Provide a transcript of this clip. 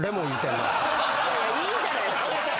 いいじゃないですか。